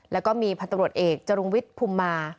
แล้วก็มีพันธบรวจเอกจรุงวิทย์ภูมิมา